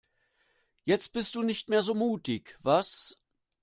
Jetzt bist du nicht mehr so mutig, was?